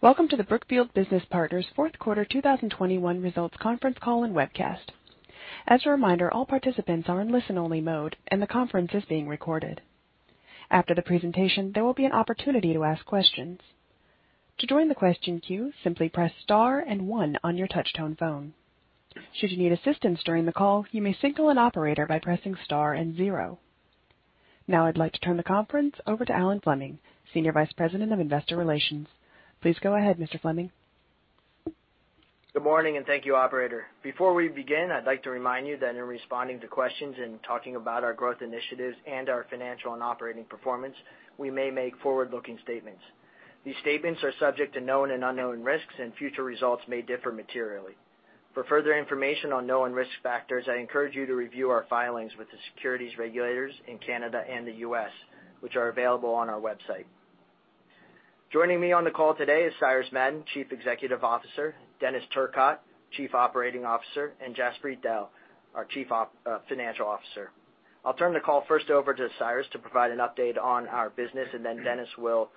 Welcome to the Brookfield Business Partners fourth quarter 2021 results conference call and webcast. As a reminder, all participants are in listen-only mode, and the conference is being recorded. After the presentation, there will be an opportunity to ask questions. To join the question queue, simply press star and one on your touchtone phone. Should you need assistance during the call, you may signal an operator by pressing star and zero. Now I'd like to turn the conference over to Alan Fleming, Senior Vice President of Investor Relations. Please go ahead, Mr. Fleming. Good morning, and thank you, Operator. Before we begin, I'd like to remind you that in responding to questions and talking about our growth initiatives and our financial and operating performance, we may make forward-looking statements. These statements are subject to known and unknown risks, and future results may differ materially. For further information on known risk factors, I encourage you to review our filings with the securities regulators in Canada and the U.S., which are available on our website. Joining me on the call today is Cyrus Madon, Chief Executive Officer, Denis Turcotte, Chief Operating Officer, and Jaspreet Dehl, our Chief Financial Officer. I'll turn the call first over to Cyrus to provide an update on our business, and then Denis will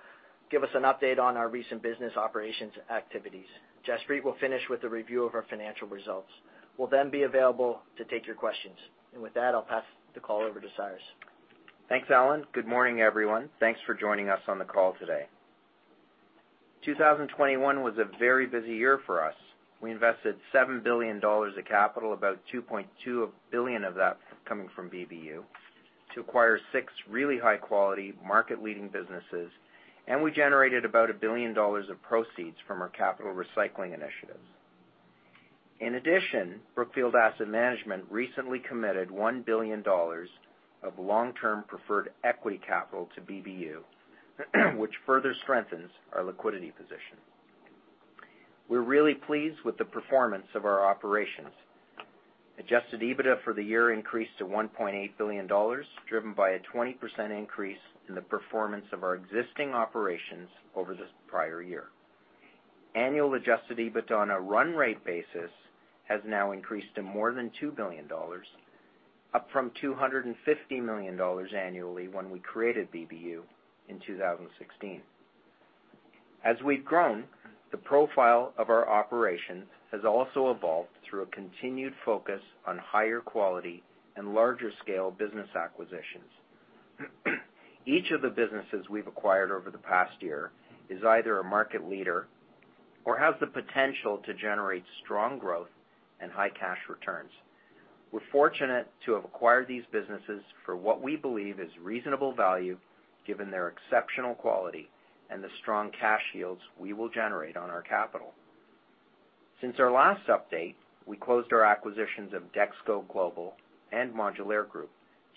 give us an update on our recent business operations activities. Jaspreet will finish with the review of our financial results. We'll then be available to take your questions. With that, I'll pass the call over to Cyrus. Thanks, Alan. Good morning, everyone. Thanks for joining us on the call today. 2021 was a very busy year for us. We invested $7 billion of capital, about $2.2 billion of that coming from BBU, to acquire six really high-quality market-leading businesses, and we generated about $1 billion of proceeds from our capital recycling initiatives. In addition, Brookfield Asset Management recently committed $1 billion of long-term preferred equity capital to BBU, which further strengthens our liquidity position. We're really pleased with the performance of our operations. Adjusted EBITDA for the year increased to $1.8 billion, driven by a 20% increase in the performance of our existing operations over the prior year. Annual adjusted EBITDA on a run rate basis has now increased to more than $2 billion, up from $250 million annually when we created BBU in 2016. As we've grown, the profile of our operation has also evolved through a continued focus on higher quality and larger scale business acquisitions. Each of the businesses we've acquired over the past year is either a market leader or has the potential to generate strong growth and high cash returns. We're fortunate to have acquired these businesses for what we believe is reasonable value given their exceptional quality and the strong cash yields we will generate on our capital. Since our last update, we closed our acquisitions of DexKo Global and Modulaire Group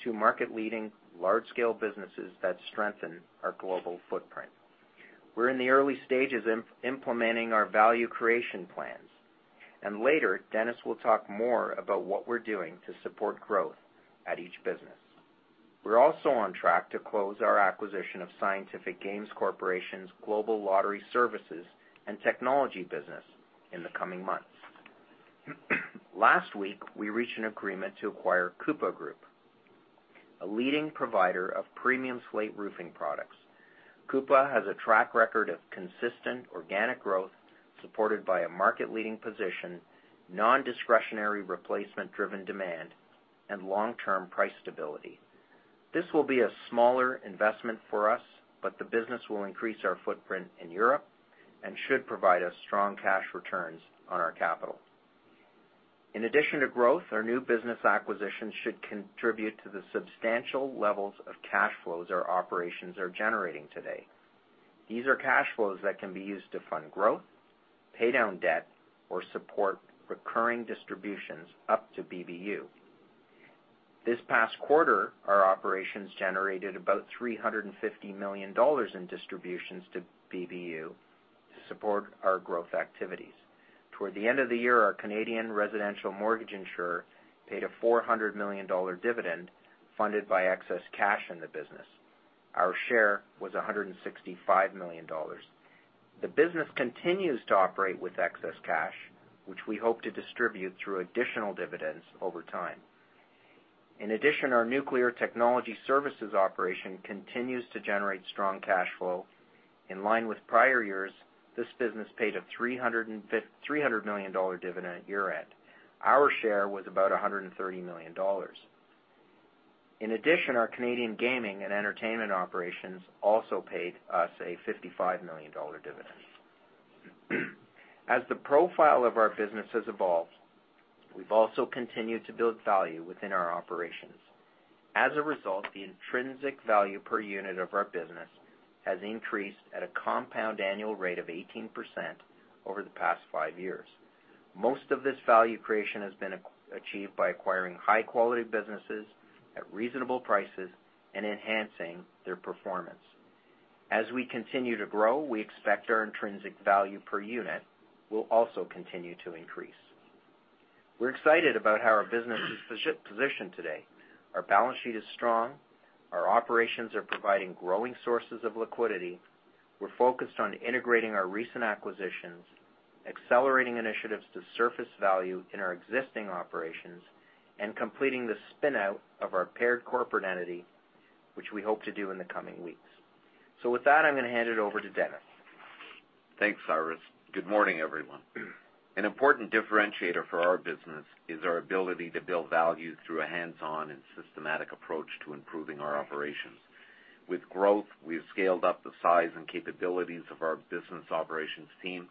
to market-leading large-scale businesses that strengthen our global footprint. We're in the early stages implementing our value creation plans, and later, Denis will talk more about what we're doing to support growth at each business. We're also on track to close our acquisition of Scientific Games Corporation global lottery services and technology business in the coming months. Last week, we reached an agreement to acquire Cupa Group, a leading provider of premium slate roofing products. Cupa has a track record of consistent organic growth, supported by a market-leading position, non-discretionary replacement-driven demand, and long-term price stability. This will be a smaller investment for us, but the business will increase our footprint in Europe and should provide us strong cash returns on our capital. In addition to growth, our new business acquisitions should contribute to the substantial levels of cash flows our operations are generating today. These are cash flows that can be used to fund growth, pay down debt, or support recurring distributions to BBU. This past quarter, our operations generated about $350 million in distributions to BBU to support our growth activities. Toward the end of the year, our Canadian residential mortgage insurer paid a 400 million dollar dividend funded by excess cash in the business. Our share was 165 million dollars. The business continues to operate with excess cash, which we hope to distribute through additional dividends over time. In addition, our nuclear technology services operation continues to generate strong cash flow. In line with prior years, this business paid a $300 million dividend year-end. Our share was about $130 million. In addition, our Canadian gaming and entertainment operations also paid us a $55 million dividend. As the profile of our business has evolved, we've also continued to build value within our operations. As a result, the intrinsic value per unit of our business has increased at a compound annual rate of 18% over the past five years. Most of this value creation has been achieved by acquiring high-quality businesses at reasonable prices and enhancing their performance. As we continue to grow, we expect our intrinsic value per unit will also continue to increase. We're excited about how our business is positioned today. Our balance sheet is strong. Our operations are providing growing sources of liquidity. We're focused on integrating our recent acquisitions, accelerating initiatives to surface value in our existing operations, and completing the spin-out of our paired corporate entity, which we hope to do in the coming weeks. With that, I'm going to hand it over to Denis. Thanks, Cyrus. Good morning, everyone. An important differentiator for our business is our ability to build value through a hands-on and systematic approach to improving our operations. With growth, we've scaled up the size and capabilities of our business operations team,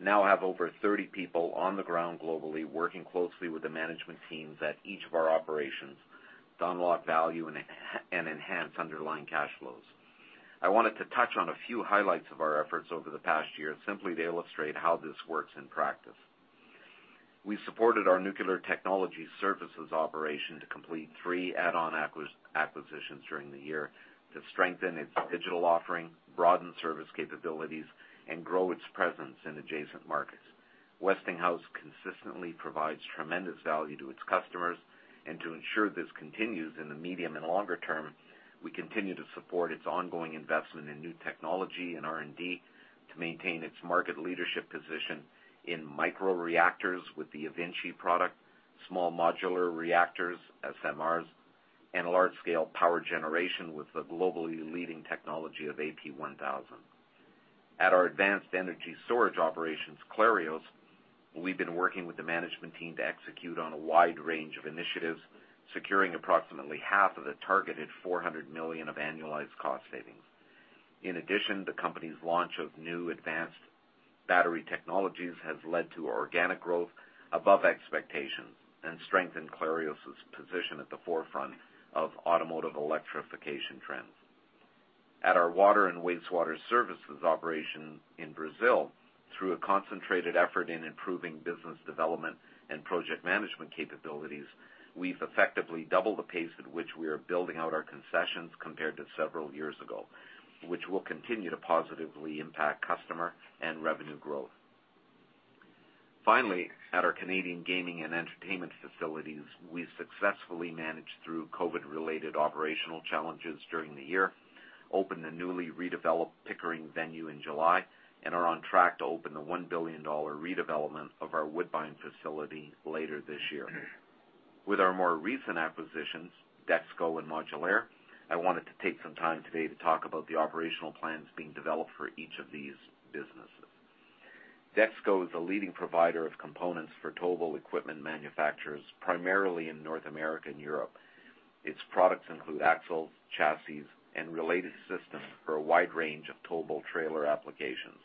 now have over 30 people on the ground globally, working closely with the management teams at each of our operations to unlock value and enhance underlying cash flows. I wanted to touch on a few highlights of our efforts over the past year, simply to illustrate how this works in practice. We supported our nuclear technology services operation to complete three add-on acquisitions during the year to strengthen its digital offering, broaden service capabilities, and grow its presence in adjacent markets. Westinghouse consistently provides tremendous value to its customers, and to ensure this continues in the medium and longer term, we continue to support its ongoing investment in new technology and R&D to maintain its market leadership position in microreactors with the eVinci product, small modular reactors, SMRs, and large-scale power generation with the globally leading technology of AP1000. At our advanced energy storage operations, Clarios, we've been working with the management team to execute on a wide range of initiatives, securing approximately half of the targeted $400 million of annualized cost savings. In addition, the company's launch of new advanced battery technologies has led to organic growth above expectations and strengthened Clarios' position at the forefront of automotive electrification trends. At our water and wastewater services operation in Brazil, through a concentrated effort in improving business development and project management capabilities, we've effectively doubled the pace at which we are building out our concessions compared to several years ago, which will continue to positively impact customer and revenue growth. Finally, at our Canadian gaming and entertainment facilities, we successfully managed through COVID-related operational challenges during the year, opened the newly redeveloped Pickering venue in July, and are on track to open the $1 billion redevelopment of our Woodbine facility later this year. With our more recent acquisitions, DexKo and Modulaire, I wanted to take some time today to talk about the operational plans being developed for each of these businesses. DexKo is a leading provider of components for towable equipment manufacturers, primarily in North America and Europe. Its products include axles, chassis, and related systems for a wide range of towable trailer applications.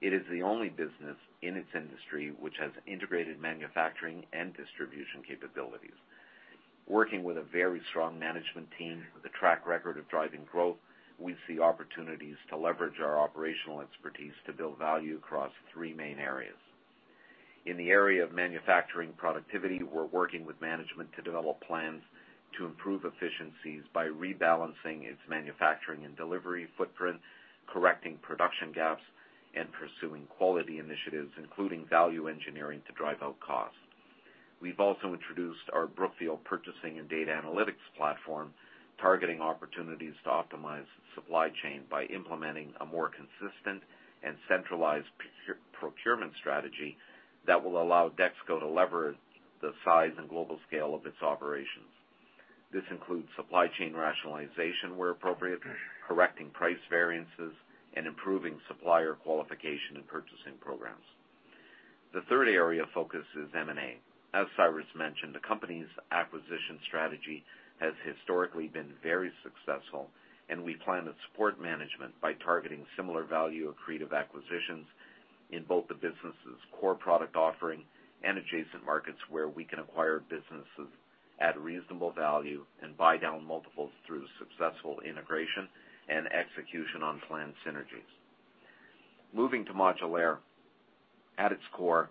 It is the only business in its industry which has integrated manufacturing and distribution capabilities. Working with a very strong management team with a track record of driving growth, we see opportunities to leverage our operational expertise to build value across three main areas. In the area of manufacturing productivity, we're working with management to develop plans to improve efficiencies by rebalancing its manufacturing and delivery footprint, correcting production gaps, and pursuing quality initiatives, including value engineering, to drive out costs. We've also introduced our Brookfield purchasing and data analytics platform, targeting opportunities to optimize supply chain by implementing a more consistent and centralized procurement strategy that will allow DexKo to leverage the size and global scale of its operations. This includes supply chain rationalization where appropriate, correcting price variances, and improving supplier qualification and purchasing programs. The third area of focus is M&A. As Cyrus mentioned, the company's acquisition strategy has historically been very successful, and we plan to support management by targeting similar value accretive acquisitions in both the business's core product offering and adjacent markets where we can acquire businesses at reasonable value and buy down multiples through successful integration and execution on planned synergies. Moving to Modulaire, at its core,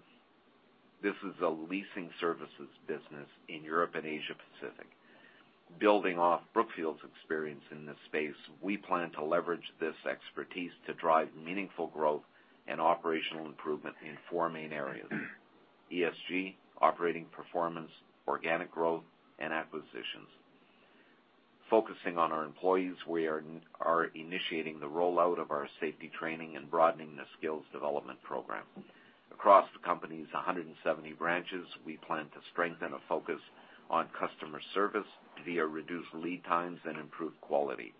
this is a leasing services business in Europe and Asia Pacific. Building off Brookfield's experience in this space, we plan to leverage this expertise to drive meaningful growth and operational improvement in four main areas, ESG, operating performance, organic growth, and acquisitions. Focusing on our employees, we are initiating the rollout of our safety training and broadening the skills development program. Across the company's 170 branches, we plan to strengthen a focus on customer service via reduced lead times and improved quality.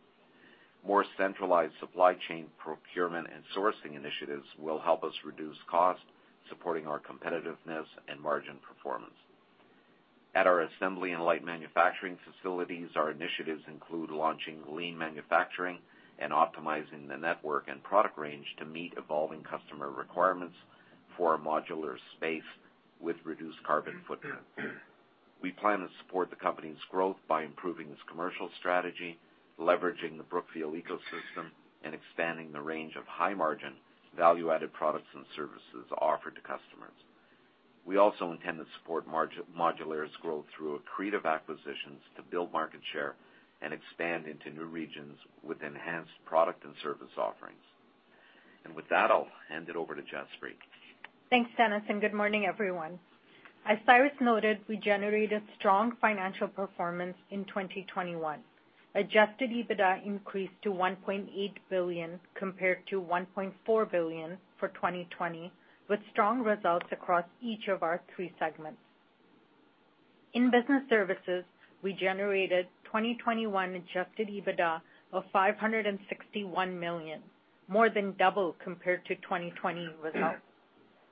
More centralized supply chain procurement and sourcing initiatives will help us reduce cost, supporting our competitiveness and margin performance. At our assembly and light manufacturing facilities, our initiatives include launching lean manufacturing and optimizing the network and product range to meet evolving customer requirements for a modular space with reduced carbon footprint. We plan to support the company's growth by improving its commercial strategy, leveraging the Brookfield ecosystem, and expanding the range of high-margin, value-added products and services offered to customers. We also intend to support Modulaire's growth through accretive acquisitions to build market share and expand into new regions with enhanced product and service offerings. With that, I'll hand it over to Jaspreet. Thanks, Dennis, and good morning, everyone. As Cyrus noted, we generated strong financial performance in 2021. Adjusted EBITDA increased to $1.8 billion compared to $1.4 billion for 2020, with strong results across each of our three segments. In business services, we generated 2021 adjusted EBITDA of $565 million, more than double compared to 2020 results.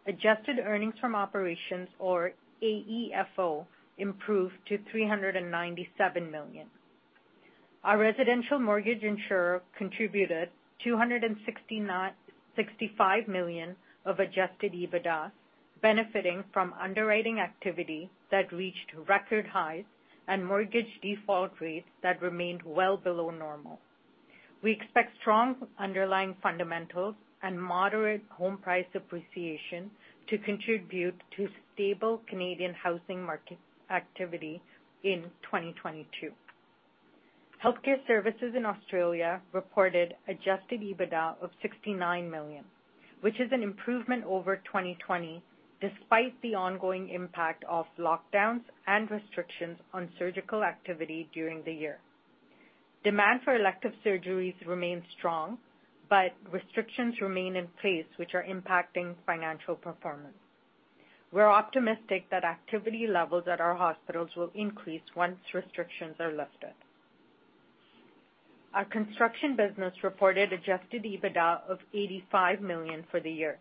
Adjusted earnings from operations, or AEFO, improved to $397 million. Our residential mortgage insurer contributed $265 million of adjusted EBITDA, benefiting from underwriting activity that reached record highs and mortgage default rates that remained well below normal. We expect strong underlying fundamentals and moderate home price appreciation to contribute to stable Canadian housing market activity in 2022. Healthcare services in Australia reported adjusted EBITDA of $69 million, which is an improvement over 2020 despite the ongoing impact of lockdowns and restrictions on surgical activity during the year. Demand for elective surgeries remains strong, but restrictions remain in place, which are impacting financial performance. We're optimistic that activity levels at our hospitals will increase once restrictions are lifted. Our construction business reported adjusted EBITDA of $85 million for the year.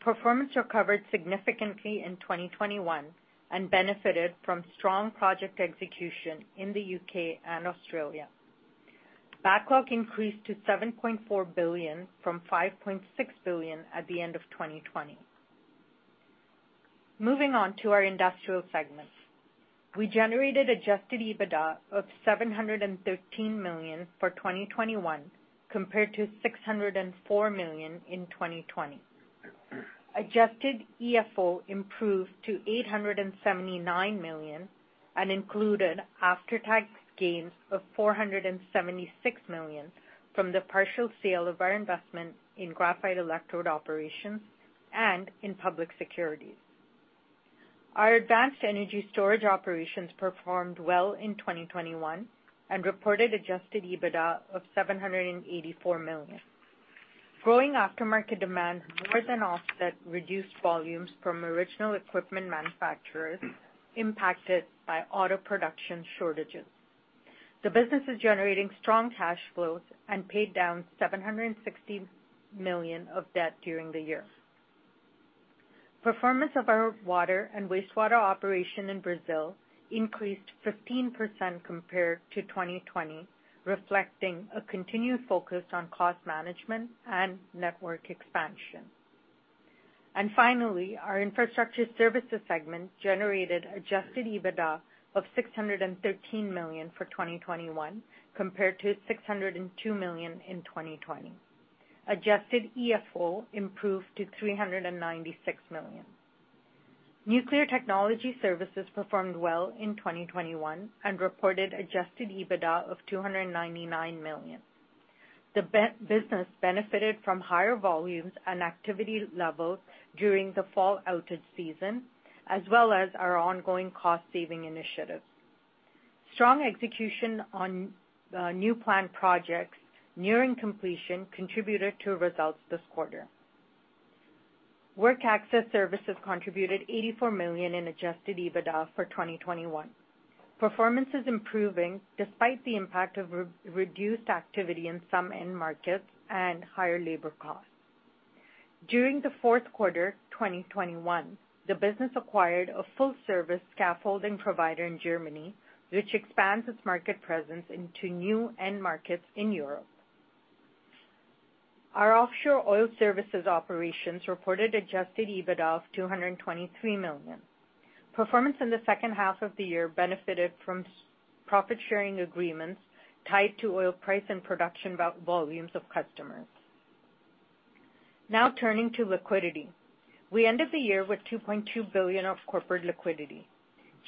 Performance recovered significantly in 2021 and benefited from strong project execution in the U.K. and Australia. Backlog increased to $7.4 billion from $5.6 billion at the end of 2020. Moving on to our industrial segment. We generated adjusted EBITDA of $713 million for 2021 compared to $604 million in 2020. Adjusted EFO improved to $879 million and included after-tax gains of $476 million from the partial sale of our investment in graphite electrode operations and in public securities. Our advanced energy storage operations performed well in 2021 and reported Adjusted EBITDA of $784 million. Growing aftermarket demand more than offset reduced volumes from original equipment manufacturers impacted by auto production shortages. The business is generating strong cash flows and paid down $760 million of debt during the year. Performance of our water and wastewater operation in Brazil increased 15% compared to 2020, reflecting a continued focus on cost management and network expansion. Finally, our infrastructure services segment generated Adjusted EBITDA of $613 million for 2021 compared to $602 million in 2020. Adjusted EFO improved to $396 million. Nuclear technology services performed well in 2021 and reported adjusted EBITDA of $299 million. The business benefited from higher volumes and activity levels during the fall outage season, as well as our ongoing cost-saving initiatives. Strong execution on new plant projects nearing completion contributed to results this quarter. Work access services contributed $84 million in adjusted EBITDA for 2021. Performance is improving despite the impact of reduced activity in some end markets and higher labor costs. During the fourth quarter 2021, the business acquired a full-service scaffolding provider in Germany, which expands its market presence into new end markets in Europe. Our offshore oil services operations reported adjusted EBITDA of $223 million. Performance in the second half of the year benefited from profit-sharing agreements tied to oil price and production volumes of customers. Now turning to liquidity. We ended the year with $2.2 billion of corporate liquidity.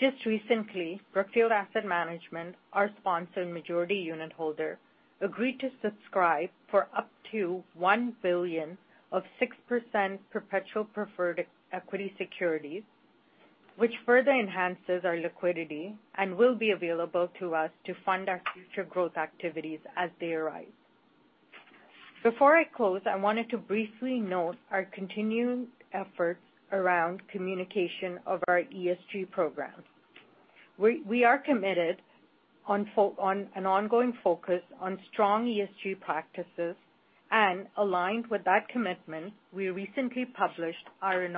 Just recently, Brookfield Asset Management, our sponsor and majority unitholder, agreed to subscribe for up to $1 billion of 6% perpetual preferred equity securities, which further enhances our liquidity and will be available to us to fund our future growth activities as they arise. Before I close, I wanted to briefly note our continuing efforts around communication of our ESG program. We are committed on an ongoing focus on strong ESG practices. Aligned with that commitment, we recently published our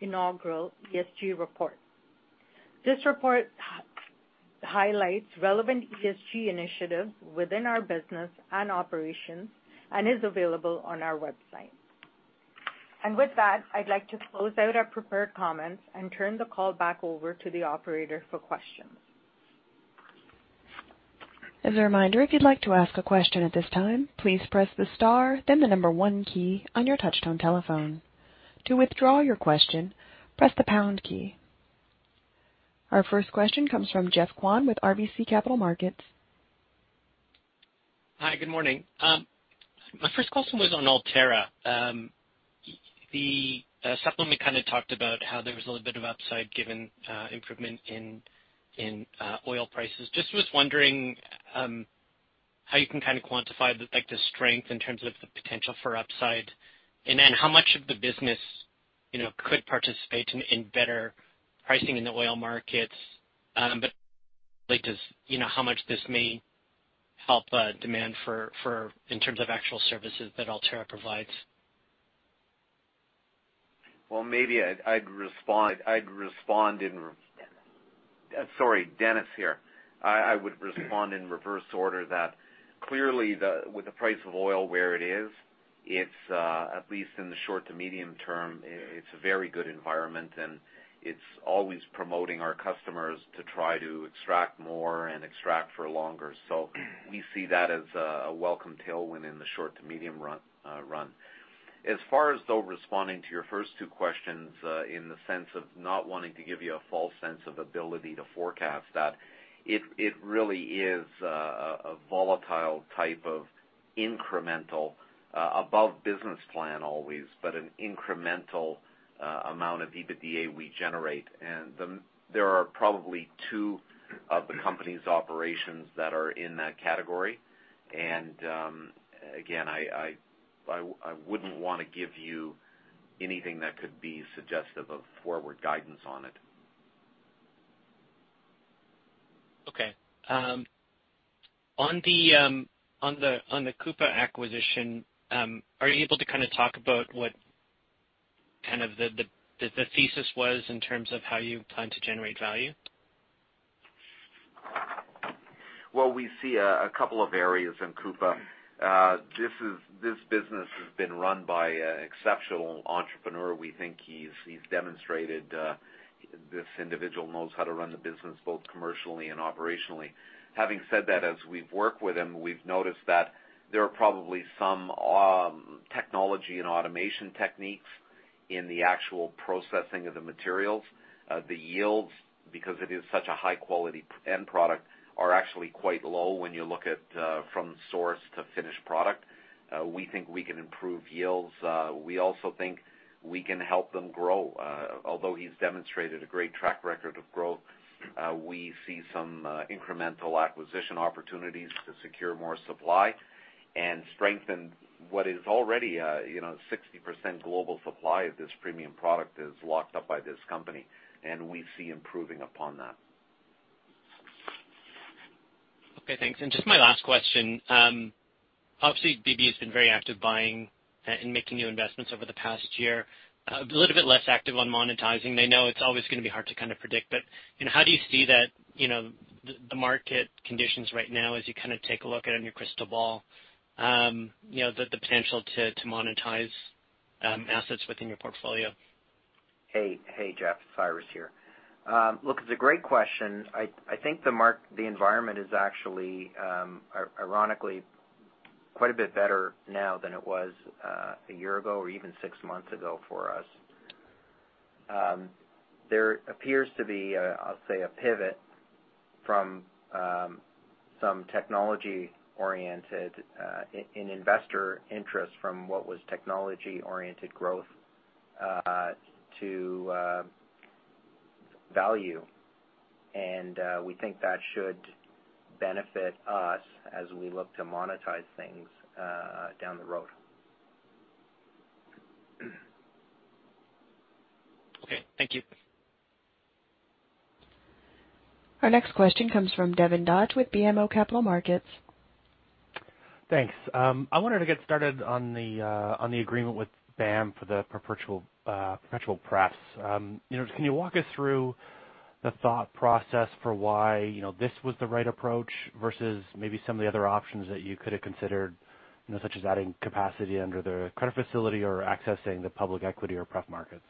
inaugural ESG report. This report highlights relevant ESG initiatives within our business and operations and is available on our website. With that, I'd like to close out our prepared comments and turn the call back over to the operator for questions. Our first question comes from Geoffrey Kwan with RBC Capital Markets. Hi, good morning. My first question was on ALTÉRRA. The supplement kind of talked about how there was a little bit of upside given improvement in oil prices. Just was wondering how you can kind of quantify the like the strength in terms of the potential for upside. Then how much of the business, you know, could participate in better pricing in the oil markets. But like does, you know, how much this may help demand for in terms of actual services that ALTÉRRA provides? Well, maybe I'd respond in... Sorry, Denis here. I would respond in reverse order that clearly with the price of oil where it is, it's at least in the short to medium term a very good environment, and it's always promoting our customers to try to extract more and extract for longer. So we see that as a welcome tailwind in the short to medium run. As far as though responding to your first two questions in the sense of not wanting to give you a false sense of ability to forecast that, it really is a volatile type of incremental above business plan always, but an incremental amount of EBITDA we generate. There are probably two of the company's operations that are in that category. Again, I wouldn't wanna give you anything that could be suggestive of forward guidance on it. On the Cupa acquisition, are you able to kind of talk about what kind of the thesis was in terms of how you plan to generate value? Well, we see a couple of areas in Cupa. This business has been run by an exceptional entrepreneur. We think he's demonstrated this individual knows how to run the business both commercially and operationally. Having said that, as we've worked with him, we've noticed that there are probably some technology and automation techniques in the actual processing of the materials. The yields, because it is such a high quality end product, are actually quite low when you look at from source to finished product. We think we can improve yields. We also think we can help them grow. Although he's demonstrated a great track record of growth, we see some incremental acquisition opportunities to secure more supply and strengthen what is already, you know, 60% global supply of this premium product is locked up by this company, and we see improving upon that. Okay, thanks. Just my last question. Obviously, BB has been very active buying and making new investments over the past year. A little bit less active on monetizing. I know it's always going to be hard to kind of predict, but you know, how do you see that, you know, the market conditions right now as you kind of take a look at in your crystal ball, you know, the potential to monetize assets within your portfolio? Hey. Hey, Jeff, Cyrus here. Look, it's a great question. I think the environment is actually, ironically quite a bit better now than it was, a year ago or even six months ago for us. There appears to be a, I'll say, a pivot from, some technology-oriented, in investor interest from what was technology-oriented growth, to, value. We think that should benefit us as we look to monetize things, down the road. Okay, thank you. Our next question comes from Devin Dodge with BMO Capital Markets. Thanks. I wanted to get started on the agreement with BAM for the perpetual prefs. You know, can you walk us through the thought process for why, you know, this was the right approach versus maybe some of the other options that you could have considered, you know, such as adding capacity under the credit facility or accessing the public equity or prefs markets?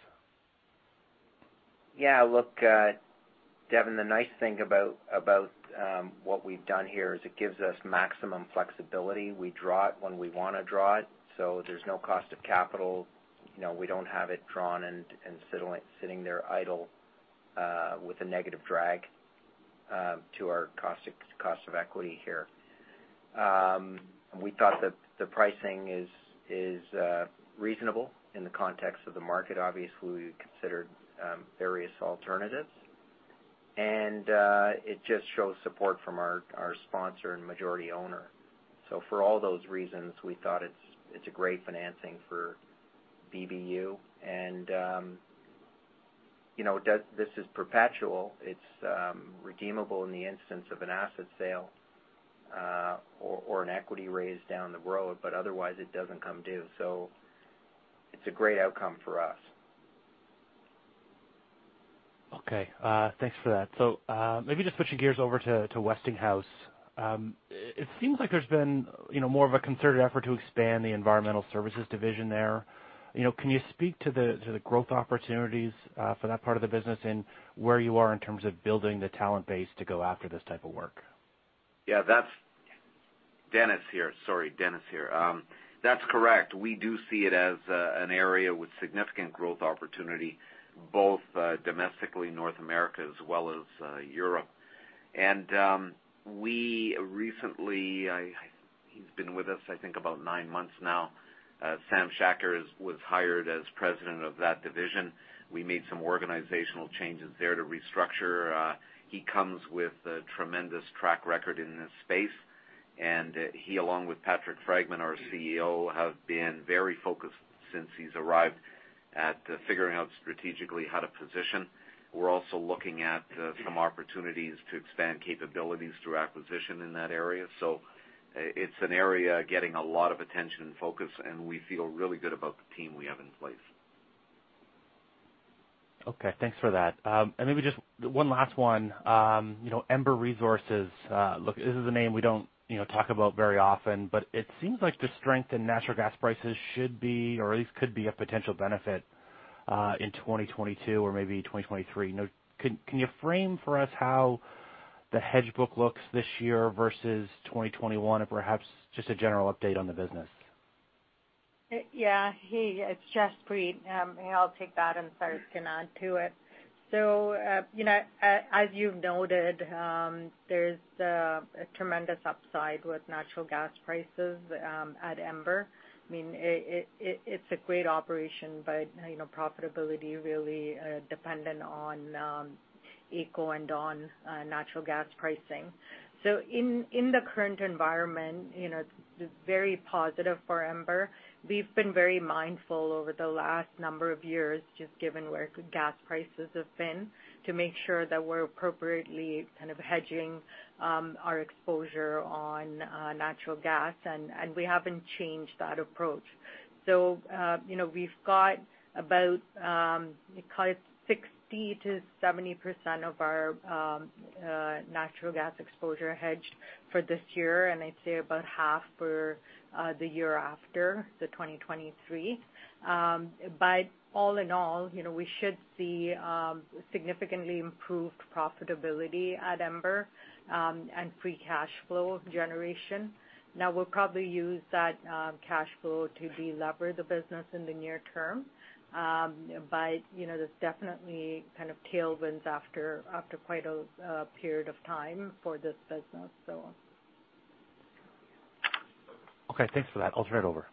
Yeah. Look, Devin, the nice thing about what we've done here is it gives us maximum flexibility. We draw it when we wanna draw it, so there's no cost of capital. You know, we don't have it drawn and sitting there idle with a negative drag to our cost of equity here. We thought that the pricing is reasonable in the context of the market. Obviously, we considered various alternatives. It just shows support from our sponsor and majority owner. For all those reasons, we thought it's a great financing for BBU. You know, this is perpetual. It's redeemable in the instance of an asset sale or an equity raise down the road, but otherwise it doesn't come due. It's a great outcome for us. Okay, thanks for that. Maybe just switching gears over to Westinghouse. It seems like there's been, you know, more of a concerted effort to expand the environmental services division there. You know, can you speak to the growth opportunities for that part of the business and where you are in terms of building the talent base to go after this type of work? Denis here. That's correct. We do see it as an area with significant growth opportunity, both domestically North America as well as Europe. We recently, he's been with us, I think about nine months now, Sam Schachter was hired as president of that division. We made some organizational changes there to restructure. He comes with a tremendous track record in this space, and he, along with Patrick Fragman, our CEO, have been very focused since he's arrived at figuring out strategically how to position. We're also looking at some opportunities to expand capabilities through acquisition in that area. It's an area getting a lot of attention and focus, and we feel really good about the team we have in place. Okay. Thanks for that. Maybe just one last one. You know, Ember Resources, look, this is a name we don't, you know, talk about very often, but it seems like the strength in natural gas prices should be, or at least could be a potential benefit, in 2022 or maybe 2023. You know, can you frame for us how the hedge book looks this year versus 2021? Or perhaps just a general update on the business. Yeah. Hey, it's Jaspreet. Maybe I'll take that and Sargon can add to it. You know, as you've noted, there's a tremendous upside with natural gas prices at Ember. I mean, it's a great operation, but, you know, profitability really dependent on AECO and on natural gas pricing. In the current environment, you know, it's very positive for Ember. We've been very mindful over the last number of years, just given where gas prices have been, to make sure that we're appropriately kind of hedging our exposure on natural gas. We haven't changed that approach. You know, we've got about, call it 60%-70% of our natural gas exposure hedged for this year, and I'd say about half for the year after, so 2023. All in all, you know, we should see significantly improved profitability at Ember, and free cash flow generation. Now we'll probably use that cash flow to delever the business in the near term. You know, there's definitely kind of tailwinds after quite a period of time for this business. Okay, thanks for that. I'll turn it over.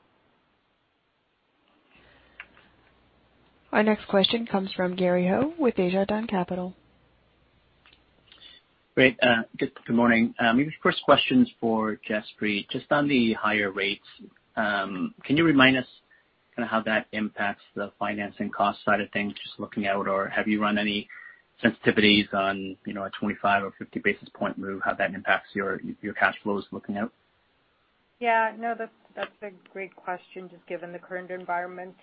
Our next question comes from Gary Ho with Desjardins Securities Inc. Great. Good morning. Maybe the first question's for Jaspreet. Just on the higher rates, can you remind us kind of how that impacts the financing cost side of things just looking out? Or have you run any sensitivities on, you know, a 25 or 50 basis point move, how that impacts your cash flows looking out? Yeah. No, that's a great question just given the current environment.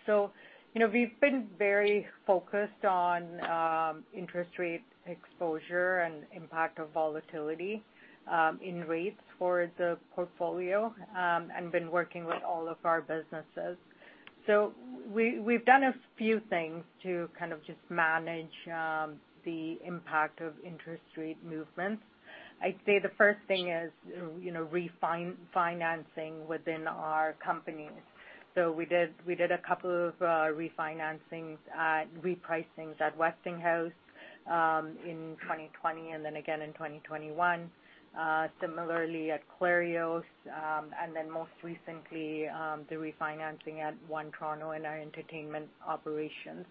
You know, we've been very focused on interest rate exposure and impact of volatility in rates for the portfolio and been working with all of our businesses. We've done a few things to kind of just manage the impact of interest rate movements. I'd say the first thing is, you know, refinancing within our companies. We did a couple of refinancings, repricings at Westinghouse in 2020 and then again in 2021, similarly at Clarios, and then most recently, the refinancing at Ontario in our entertainment operations.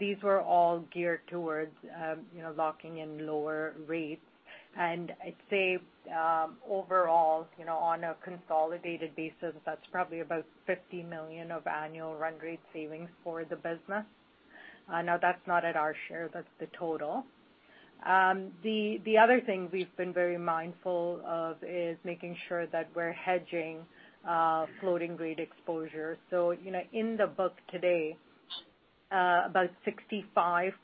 These were all geared towards, you know, locking in lower rates. I'd say overall, you know, on a consolidated basis, that's probably about $50 million of annual run rate savings for the business. Now that's not at our share, that's the total. The other thing we've been very mindful of is making sure that we're hedging floating rate exposure. You know, in the book today, about 65%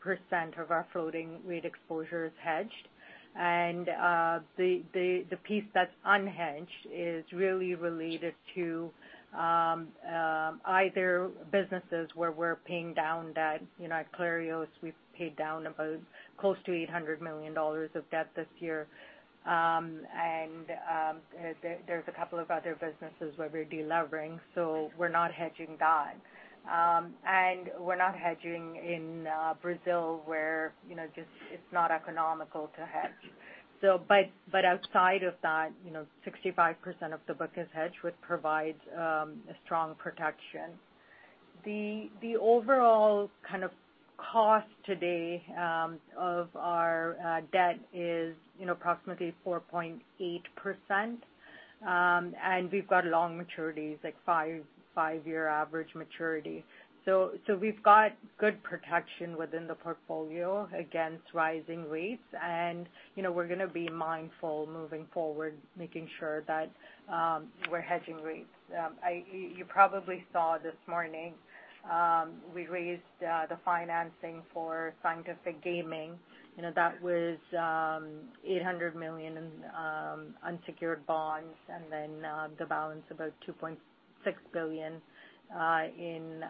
of our floating rate exposure is hedged. The piece that's unhedged is really related to either businesses where we're paying down debt. You know, at Clarios, we've paid down about close to $800 million of debt this year. And there's a couple of other businesses where we're delevering, so we're not hedging that. And we're not hedging in Brazil where, you know, just it's not economical to hedge. Outside of that, you know, 65% of the book is hedged, which provides a strong protection. The overall kind of cost today of our debt is, you know, approximately 4.8%. We've got long maturities, like 5-year average maturity. We've got good protection within the portfolio against rising rates. You know, we're going to be mindful moving forward, making sure that we're hedging rates. You probably saw this morning we raised the financing for Scientific Games. You know, that was $800 million in unsecured bonds, and then the balance about $2.6 billion in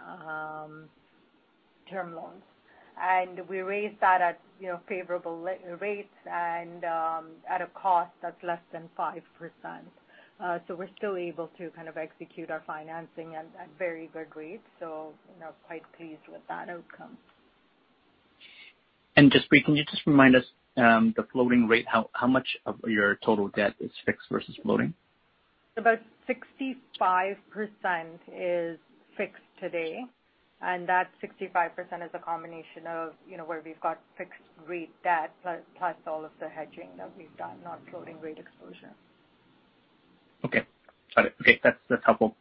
term loans. We raised that at, you know, favorable rates and at a cost that's less than 5%. We're still able to kind of execute our financing at very good rates, so you know, quite pleased with that outcome. Bri, can you just remind us the floating rate, how much of your total debt is fixed versus floating? About 65% is fixed today, and that 65% is a combination of, you know, where we've got fixed rate debt plus all of the hedging that we've done, not floating rate exposure. Okay. Got it. Okay, that's helpful.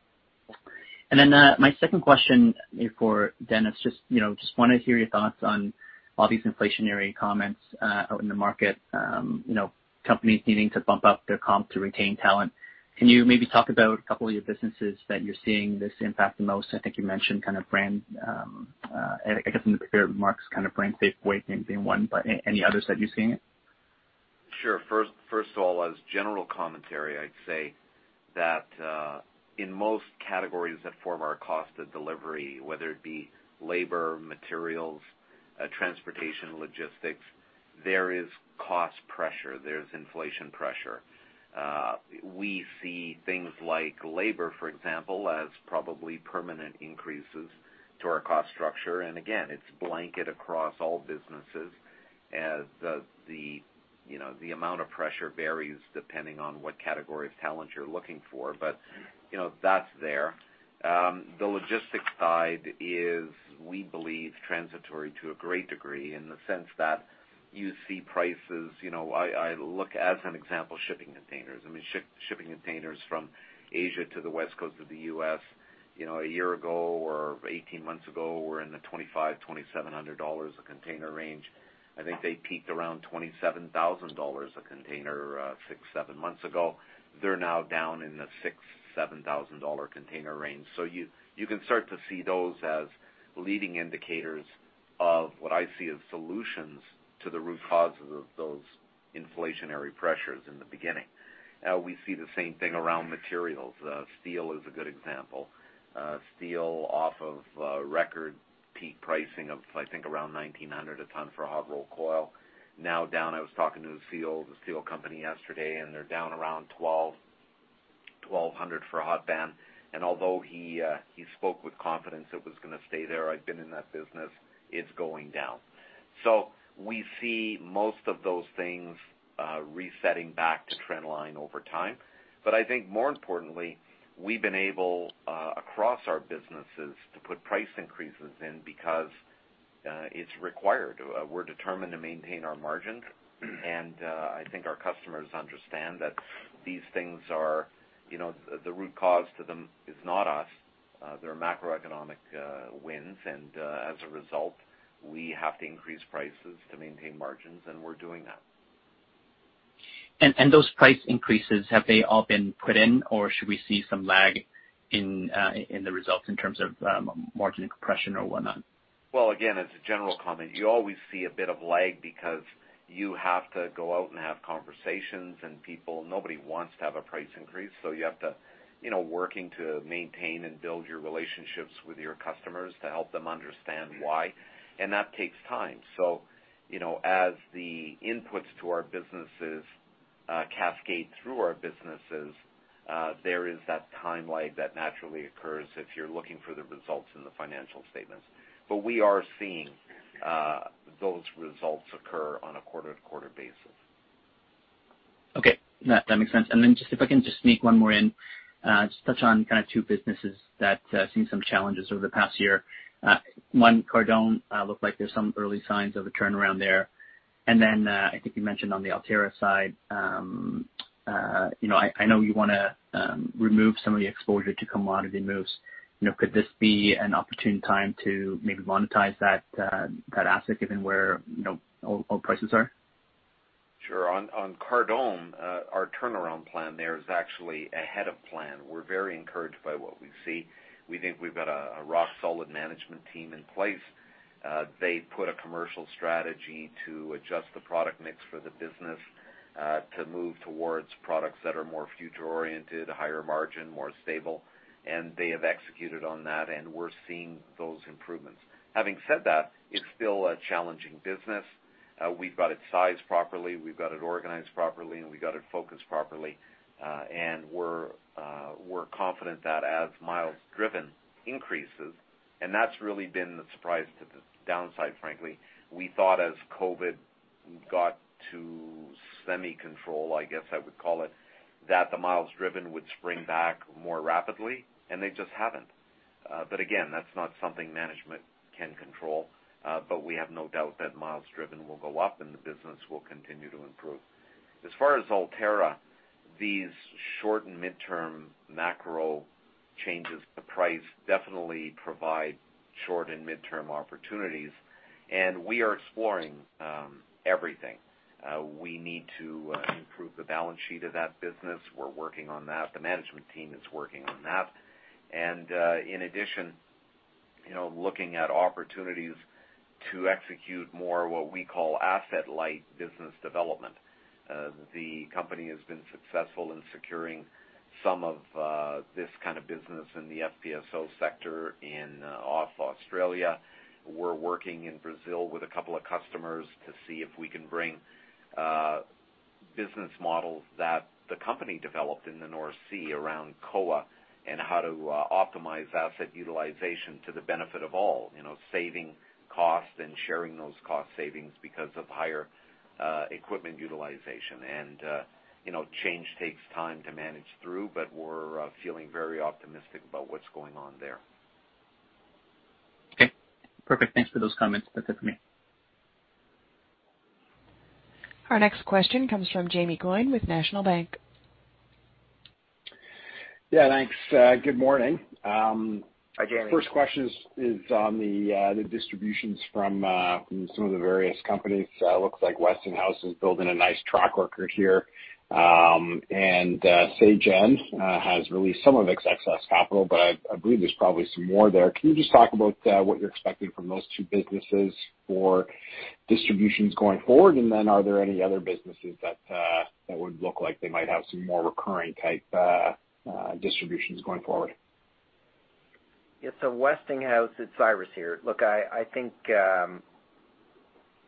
Then my second question maybe for Dennis, just you know wanna hear your thoughts on all these inflationary comments out in the market, you know, companies needing to bump up their comp to retain talent. Can you maybe talk about a couple of your businesses that you're seeing this impact the most? I think you mentioned kind of BrandSafway in the prepared remarks, kind of BrandSafway being one, but any others that you're seeing it? Sure. First of all, as general commentary, I'd say that in most categories that form our cost of delivery, whether it be labor, materials, transportation, logistics, there is cost pressure, there's inflation pressure. We see things like labor, for example, as probably permanent increases to our cost structure. Again, it's blanket across all businesses as the amount of pressure varies depending on what category of talent you're looking for. You know, that's there. The logistics side is, we believe, transitory to a great degree in the sense that you see prices, you know, I look as an example, shipping containers. I mean, shipping containers from Asia to the West Coast of the U.S., you know, a year ago or 18 months ago were in the $2,500-$2,700 a container range. I think they peaked around $27,000 a container six-seven months ago. They're now down in the $6,000-$7,000 container range. You can start to see those as leading indicators of what I see as solutions to the root causes of those inflationary pressures in the beginning. We see the same thing around materials. Steel is a good example. Steel off of record peak pricing of, I think, around $1,900 a ton for hot-rolled coil. Now down, I was talking to a steel company yesterday, and they're down around $1,200 for hot band. Although he spoke with confidence it was going to stay there, I've been in that business, it's going down. We see most of those things resetting back to trend line over time. I think more importantly, we've been able, across our businesses to put price increases in because, it's required. We're determined to maintain our margins, and, I think our customers understand that these things are, you know, the root cause to them is not us. There are macroeconomic, winds and, as a result, we have to increase prices to maintain margins, and we're doing that. Those price increases, have they all been put in, or should we see some lag in the results in terms of margin compression or whatnot? Well, again, as a general comment, you always see a bit of lag because you have to go out and have conversations, and people, nobody wants to have a price increase, so you have to, you know, working to maintain and build your relationships with your customers to help them understand why, and that takes time. you know, as the inputs to our businesses, cascade through our businesses, there is that time lag that naturally occurs if you're looking for the results in the financial statements. we are seeing, those results occur on a quarter-to-quarter basis. Okay. That makes sense. Just if I can just sneak one more in, just touch on kind of two businesses that seem some challenges over the past year. One, Cardone, looks like there's some early signs of a turnaround there. I think you mentioned on the ALTÉRRA side, you know, I know you wanna remove some of the exposure to commodity moves. You know, could this be an opportune time to maybe monetize that asset given where oil prices are? Sure. On Cardone, our turnaround plan there is actually ahead of plan. We're very encouraged by what we see. We think we've got a rock solid management team in place. They put a commercial strategy to adjust the product mix for the business, to move towards products that are more future-oriented, higher margin, more stable, and they have executed on that, and we're seeing those improvements. Having said that, it's still a challenging business. We've got it sized properly, we've got it organized properly, and we got it focused properly. We're confident that as miles driven increases, and that's really been the surprise to the downside, frankly. We thought as COVID got to semi control, I guess I would call it, that the miles driven would spring back more rapidly, and they just haven't. Again, that's not something management can control, but we have no doubt that miles driven will go up and the business will continue to improve. As far as ALTÉRRA, these short- and midterm macro changes to price definitely provide short- and midterm opportunities, and we are exploring everything. We need to improve the balance sheet of that business. We're working on that. The management team is working on that. In addition, you know, looking at opportunities to execute more what we call asset-light business development. The company has been successful in securing some of this kind of business in the FPSO sector off Australia. We're working in Brazil with a couple of customers to see if we can bring, Business models that the company developed in the North Sea around COA and how to optimize asset utilization to the benefit of all, you know, saving costs and sharing those cost savings because of higher equipment utilization. You know, change takes time to manage through, but we're feeling very optimistic about what's going on there. Okay. Perfect. Thanks for those comments. That's it for me. Our next question comes from Jaeme Gloyn with National Bank. Yeah, thanks. Good morning. Hi, Jaeme. First question is on the distributions from some of the various companies. Looks like Westinghouse is building a nice track record here. Sagen has released some of its excess capital, but I believe there's probably some more there. Can you just talk about what you're expecting from those two businesses for distributions going forward? Are there any other businesses that would look like they might have some more recurring type distributions going forward? Yeah. Westinghouse, it's Cyrus here. Look, I think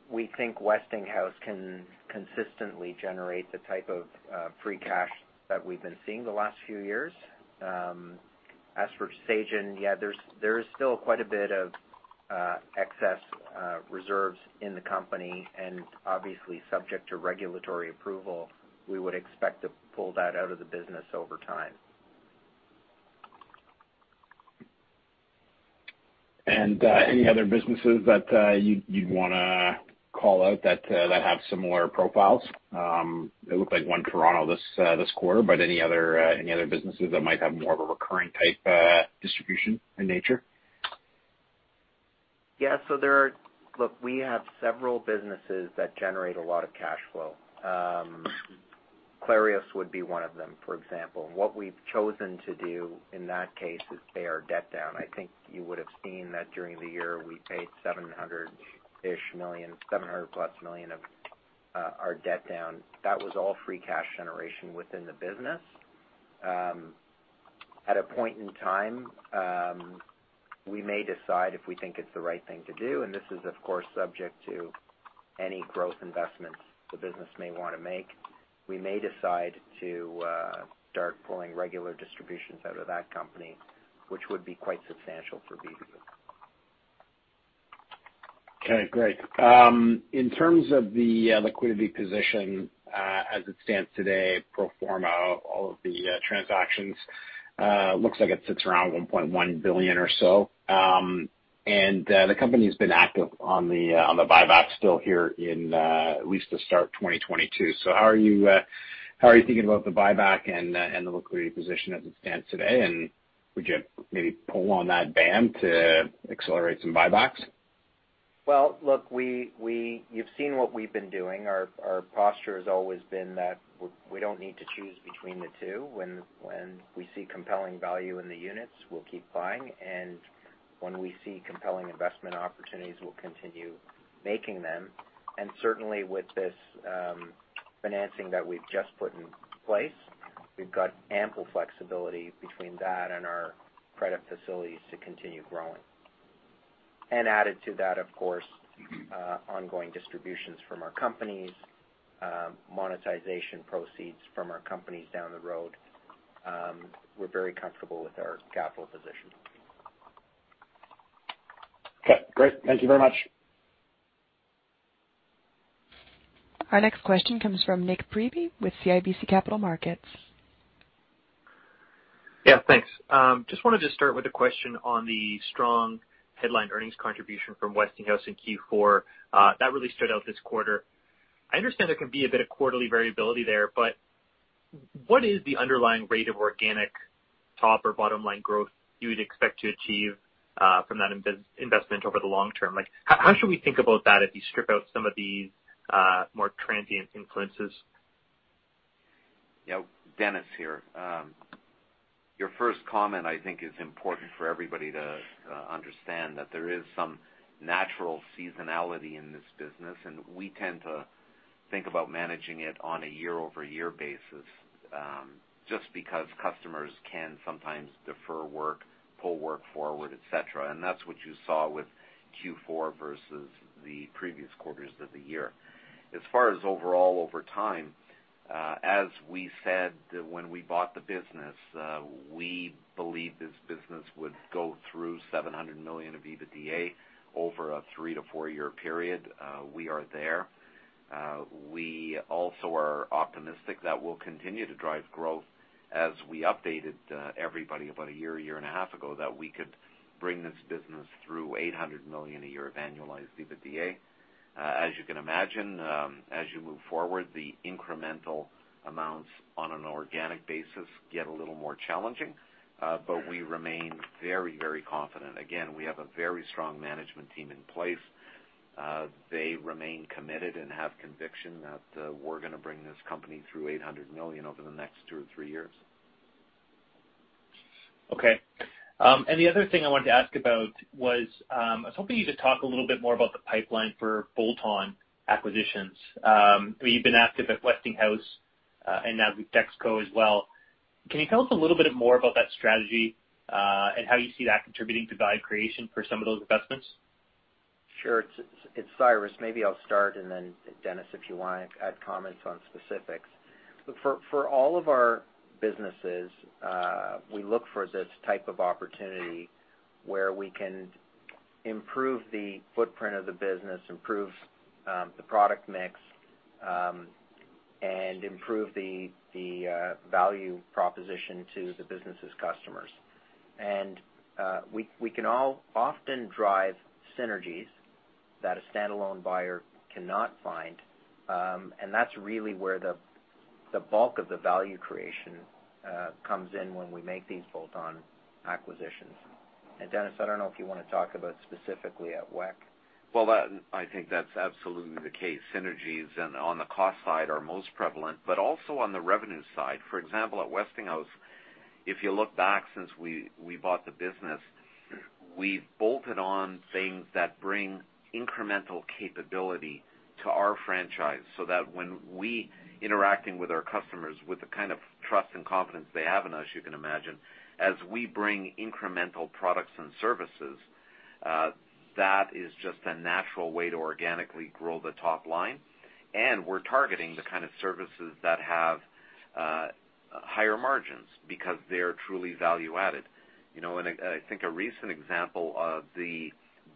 we think Westinghouse can consistently generate the type of free cash that we've been seeing the last few years. As for Sagen, yeah, there is still quite a bit of excess reserves in the company, and obviously subject to regulatory approval, we would expect to pull that out of the business over time. Any other businesses that you'd wanna call out that have similar profiles? It looked like One Toronto this quarter, but any other businesses that might have more of a recurring type distribution in nature? We have several businesses that generate a lot of cash flow. Clarios would be one of them, for example. What we've chosen to do in that case is pay our debt down. I think you would have seen that during the year, we paid $700 million of our debt down. That was all free cash generation within the business. At a point in time, we may decide if we think it's the right thing to do, and this is, of course, subject to any growth investments the business may wanna make. We may decide to start pulling regular distributions out of that company, which would be quite substantial for BBU. Okay, great. In terms of the liquidity position as it stands today, pro forma, all of the transactions looks like it sits around $1.1 billion or so. The company's been active on the buyback still here in at least the start of 2022. How are you thinking about the buyback and the liquidity position as it stands today? Would you maybe pull on that BAM to accelerate some buybacks? Well, look, you've seen what we've been doing. Our posture has always been that we don't need to choose between the two. When we see compelling value in the units, we'll keep buying, and when we see compelling investment opportunities, we'll continue making them. Certainly with this financing that we've just put in place, we've got ample flexibility between that and our credit facilities to continue growing. Added to that, of course, ongoing distributions from our companies, monetization proceeds from our companies down the road. We're very comfortable with our capital position. Okay, great. Thank you very much. Our next question comes from Nikolaus Priebe with CIBC Capital Markets. Yeah, thanks. Just wanted to start with a question on the strong headline earnings contribution from Westinghouse in Q4. That really stood out this quarter. I understand there can be a bit of quarterly variability there, but what is the underlying rate of organic top or bottom line growth you would expect to achieve, from that investment over the long term? Like, how should we think about that if you strip out some of these, more transient influences? Yeah. Denis here. Your first comment, I think, is important for everybody to understand that there is some natural seasonality in this business, and we tend to think about managing it on a year-over-year basis, just because customers can sometimes defer work, pull work forward, et cetera. That's what you saw with Q4 versus the previous quarters of the year. As far as overall over time, as we said when we bought the business, we believe this business would go through $700 million of EBITDA over a 3- to 4-year period. We are there. We also are optimistic that we'll continue to drive growth as we updated everybody about a year and a half ago, that we could bring this business through $800 million a year of annualized EBITDA. As you can imagine, as you move forward, the incremental amounts on an organic basis get a little more challenging, but we remain very, very confident. Again, we have a very strong management team in place. They remain committed and have conviction that we're going to bring this company through $800 million over the next two or three years. Okay. The other thing I wanted to ask about was, I was hoping you could talk a little bit more about the pipeline for bolt-on acquisitions. You've been active at Westinghouse, and now with DexKo as well. Can you tell us a little bit more about that strategy, and how you see that contributing to value creation for some of those investments? Sure. It's Cyrus. Maybe I'll start, and then Dennis, if you wanna add comments on specifics. Look, for all of our businesses, we look for this type of opportunity where we can improve the footprint of the business, improve the product mix, and improve the value proposition to the business' customers. We can all often drive synergies that a standalone buyer cannot find. That's really where the bulk of the value creation comes in when we make these bolt-on acquisitions. Dennis, I don't know if you wanna talk about specifically at WEC. Well, I think that's absolutely the case. Synergies and on the cost side are most prevalent, but also on the revenue side. For example, at Westinghouse, if you look back since we bought the business, we've bolted on things that bring incremental capability to our franchise, so that when we interacting with our customers with the kind of trust and confidence they have in us, you can imagine, as we bring incremental products and services, that is just a natural way to organically grow the top line. We're targeting the kind of services that have higher margins because they are truly value added. You know, I think a recent example of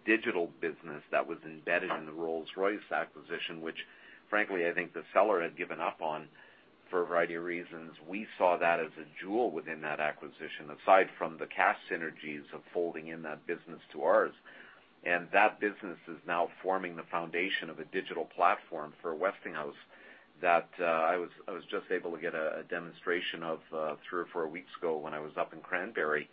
the digital business that was embedded in the Rolls-Royce acquisition, which frankly I think the seller had given up on for a variety of reasons, we saw that as a jewel within that acquisition, aside from the cash synergies of folding in that business to ours. That business is now forming the foundation of a digital platform for Westinghouse that I was just able to get a demonstration of three or four weeks ago when I was up in Cranberry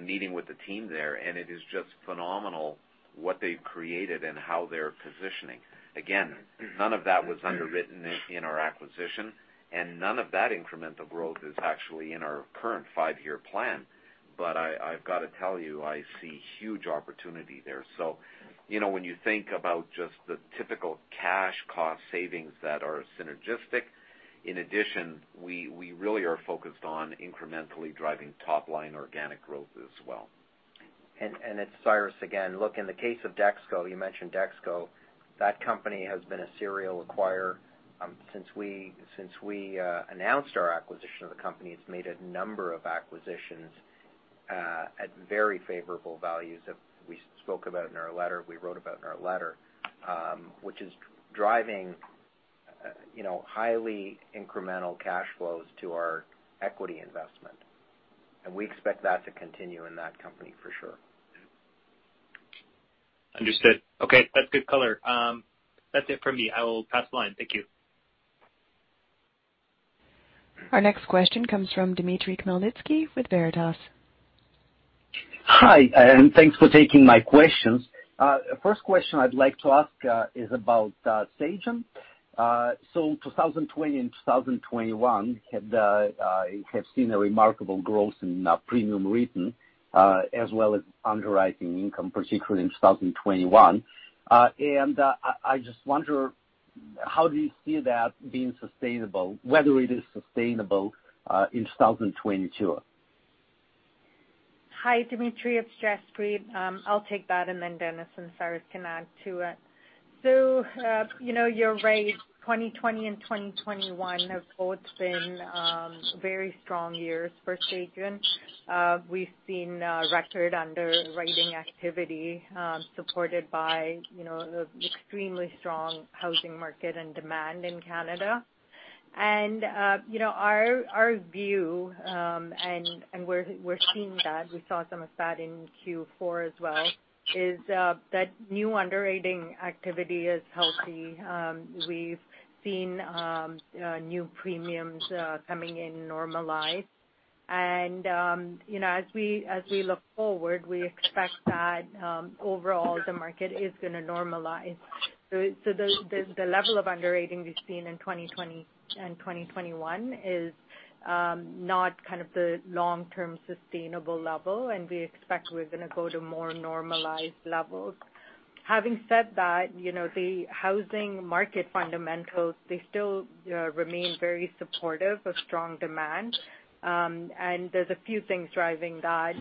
meeting with the team there. It is just phenomenal what they've created and how they're positioning. Again, none of that was underwritten in our acquisition, and none of that incremental growth is actually in our current five-year plan. I've gotta tell you, I see huge opportunity there. You know, when you think about just the typical cash cost savings that are synergistic, in addition, we really are focused on incrementally driving top line organic growth as well. It's Cyrus again. Look, in the case of DexKo, you mentioned DexKo. That company has been a serial acquirer. Since we announced our acquisition of the company, it's made a number of acquisitions at very favorable values that we wrote about in our letter, which is driving, you know, highly incremental cash flows to our equity investment. We expect that to continue in that company for sure. Understood. Okay. That's good color. That's it from me. I will pass the line. Thank you. Our next question comes from Dimitry Khmelnitsky with Veritas. Hi, thanks for taking my questions. First question I'd like to ask is about Sagen. 2020 and 2021 have seen a remarkable growth in premium written as well as underwriting income, particularly in 2021. I just wonder how do you see that being sustainable, whether it is sustainable in 2022? Hi, Dimitry, it's Jaspreet. I'll take that and then Denis and Cyrus can add to it. You know, you're right. 2020 and 2021 have both been very strong years for Sagen. We've seen record underwriting activity supported by you know, the extremely strong housing market and demand in Canada. You know, our view and we're seeing that, we saw some of that in Q4 as well, is that new underwriting activity is healthy. We've seen new premiums coming in normalized. You know, as we look forward, we expect that overall the market is going to normalize. The level of underwriting we've seen in 2020 and 2021 is not kind of the long-term sustainable level, and we expect we're going to go to more normalized levels. Having said that, you know, the housing market fundamentals, they still remain very supportive of strong demand. There's a few things driving that.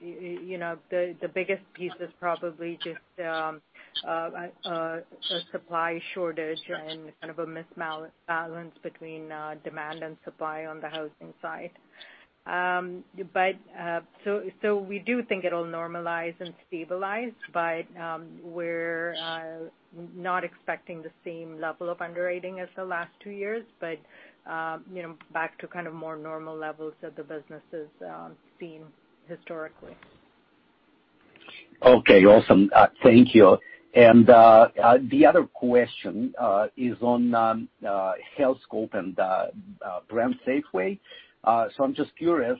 You know, the biggest piece is probably just a supply shortage and kind of an imbalance between demand and supply on the housing side. We do think it'll normalize and stabilize, but we're not expecting the same level of underwriting as the last two years. You know, back to kind of more normal levels that the business has seen historically. Okay. Awesome. Thank you. The other question is on Healthscope and BrandSafway. I'm just curious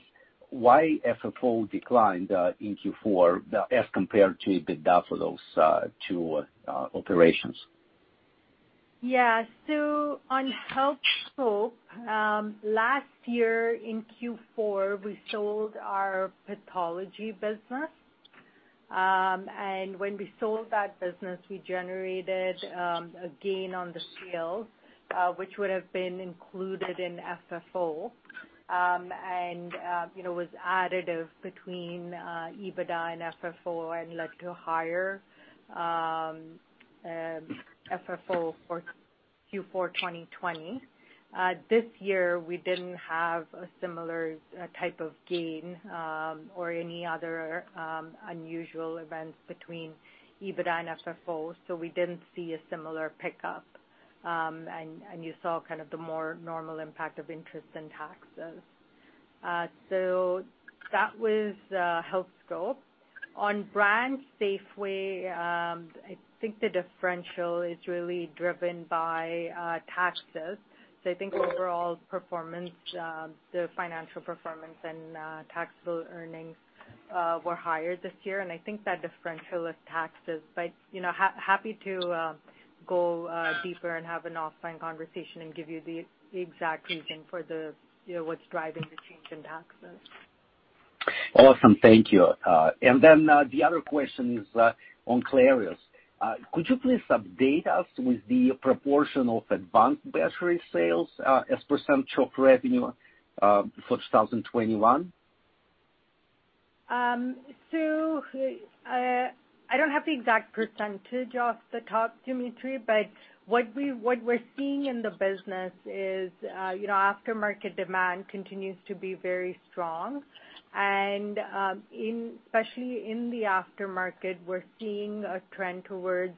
why FFO declined in Q4 as compared to EBITDA for those two operations? Yeah. On Healthscope, last year in Q4, we sold our pathology business. When we sold that business, we generated a gain on the sale, which would have been included in FFO. You know, it was additive between EBITDA and FFO and led to higher FFO for Q4 2020. This year we didn't have a similar type of gain or any other unusual events between EBITDA and FFO, so we didn't see a similar pickup. You saw kind of the more normal impact of interest and taxes. That was Healthscope. On BrandSafway, I think the differential is really driven by taxes. I think overall performance, the financial performance and taxable earnings were higher this year. I think that differential is taxes. You know, happy to go deeper and have an offline conversation and give you the exact reason for the, you know, what's driving the change in taxes. Awesome. Thank you. The other question is on Clarios. Could you please update us with the proportion of advanced battery sales as % of revenue for 2021? I don't have the exact percentage off the top, Dmitry, but what we're seeing in the business is, you know, aftermarket demand continues to be very strong. Especially in the aftermarket, we're seeing a trend towards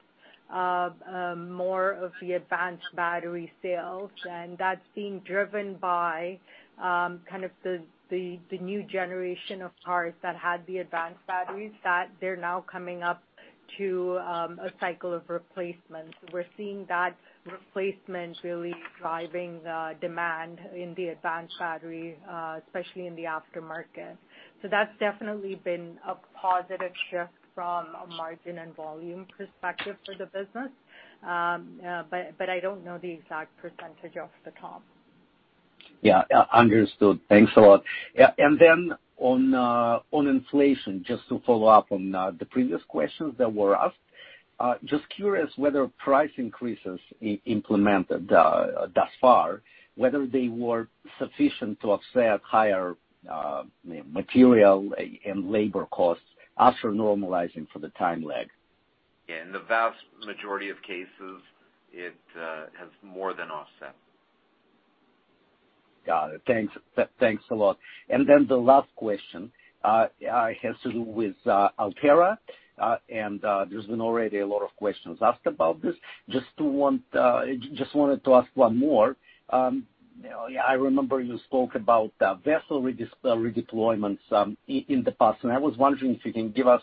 more of the advanced battery sales, and that's being driven by kind of the new generation of cars that had the advanced batteries, that they're now coming up to a cycle of replacement. We're seeing that replacement really driving the demand in the advanced battery, especially in the aftermarket. That's definitely been a positive shift from a margin and volume perspective for the business. But I don't know the exact percentage off the top. Yeah. Understood. Thanks a lot. Yeah, on inflation, just to follow up on the previous questions that were asked, just curious whether price increases implemented thus far whether they were sufficient to offset higher material and labor costs after normalizing for the time lag? Yeah. In the vast majority of cases it has more than offset. Got it. Thanks. Thanks a lot. Then the last question has to do with ALTÉRRA. There's been already a lot of questions asked about this. Just wanted to ask one more. I remember you spoke about vessel redeployments in the past, and I was wondering if you can give us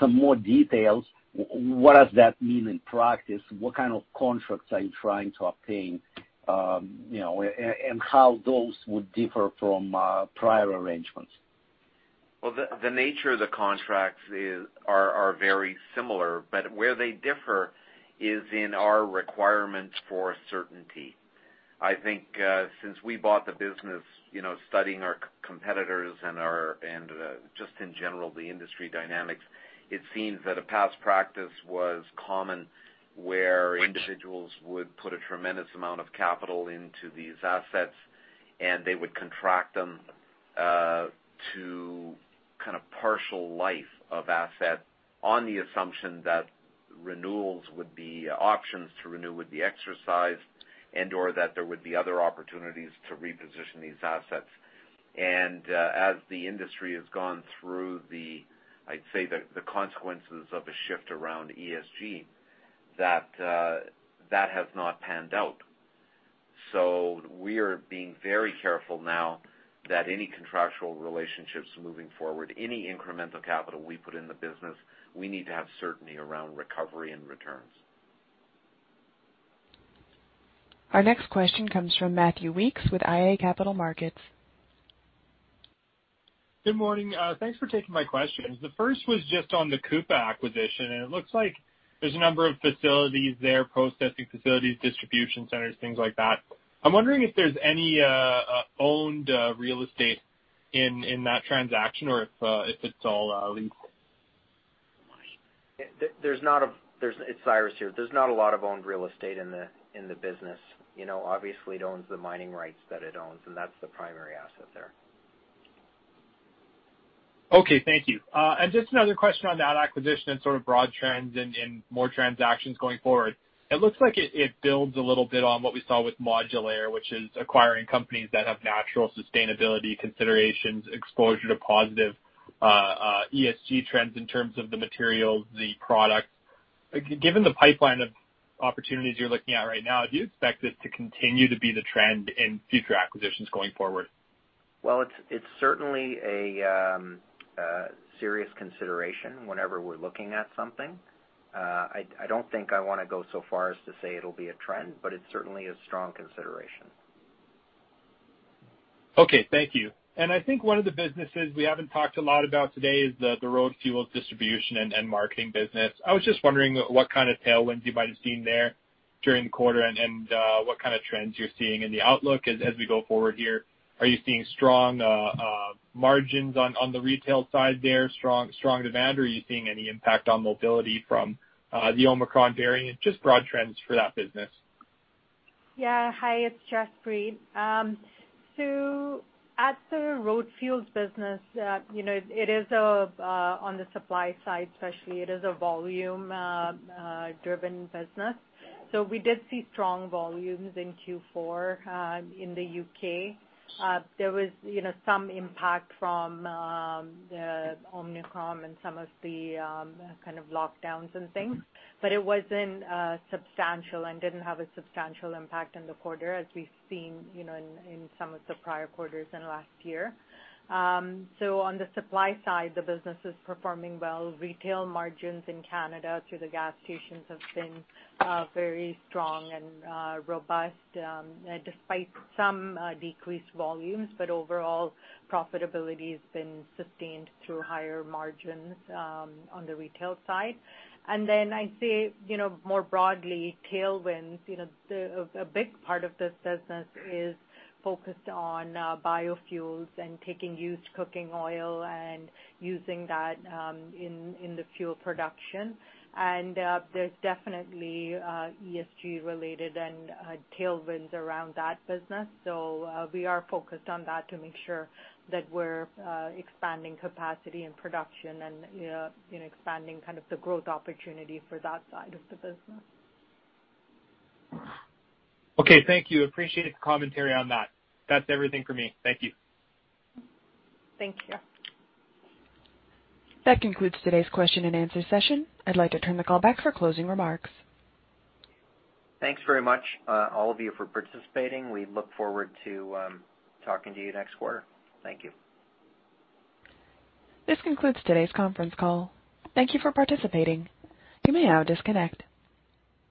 some more details, what does that mean in practice? What kind of contracts are you trying to obtain? You know, and how those would differ from prior arrangements. The nature of the contracts are very similar, but where they differ is in our requirements for certainty. I think, since we bought the business, you know, studying our competitors and our, and just in general the industry dynamics, it seems that a past practice was common where individuals would put a tremendous amount of capital into these assets and they would contract them to kind of partial life of asset on the assumption that renewals would be, options to renew would be exercised and/or that there would be other opportunities to reposition these assets. As the industry has gone through the, I'd say, the consequences of a shift around ESG, that has not panned out. We are being very careful now that any contractual relationships moving forward, any incremental capital we put in the business, we need to have certainty around recovery and returns. Our next question comes from Matthew Weekes with iA Capital Markets. Good morning. Thanks for taking my questions. The first was just on the Cupa acquisition, and it looks like there's a number of facilities there, processing facilities, distribution centers, things like that. I'm wondering if there's any owned real estate in that transaction or if it's all leased. It's Cyrus Madon here. There's not a lot of owned real estate in the business. You know, obviously, it owns the mining rights that it owns, and that's the primary asset there. Okay. Thank you. Just another question on that acquisition and sort of broad trends and more transactions going forward. It looks like it builds a little bit on what we saw with Modulaire, which is acquiring companies that have natural sustainability considerations, exposure to positive ESG trends in terms of the materials, the products. Given the pipeline of opportunities you're looking at right now, do you expect this to continue to be the trend in future acquisitions going forward? Well, it's certainly a serious consideration whenever we're looking at something. I don't think I wanna go so far as to say it'll be a trend, but it's certainly a strong consideration. Okay. Thank you. I think one of the businesses we haven't talked a lot about today is the road fuels distribution and marketing business. I was just wondering what kind of tailwinds you might have seen there during the quarter and what kind of trends you're seeing in the outlook as we go forward here. Are you seeing strong margins on the retail side there, strong demand? Are you seeing any impact on mobility from the Omicron variant? Just broad trends for that business. Yeah. Hi, it's Jaspreet. As the road fuels business, you know, it is on the supply side, especially, a volume driven business. We did see strong volumes in Q4 in the U.K. There was, you know, some impact from the Omicron and some of the kind of lockdowns and things, but it wasn't substantial and didn't have a substantial impact on the quarter as we've seen, you know, in some of the prior quarters in last year. On the supply side, the business is performing well. Retail margins in Canada through the gas stations have been very strong and robust despite some decreased volumes. Overall profitability has been sustained through higher margins on the retail side. I'd say, you know, more broadly, tailwinds, you know, a big part of this business is focused on biofuels and taking used cooking oil and using that in the fuel production. There's definitely ESG related and tailwinds around that business. We are focused on that to make sure that we're expanding capacity and production and, you know, expanding kind of the growth opportunity for that side of the business. Okay, thank you. Appreciate the commentary on that. That's everything for me. Thank you. Thank you. That concludes today's question and answer session. I'd like to turn the call back for closing remarks. Thanks very much, all of you for participating. We look forward to talking to you next quarter. Thank you. This concludes today's conference call. Thank you for participating. You may now disconnect.